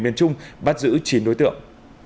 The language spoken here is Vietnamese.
miền trung bắt giữ chín đối tượng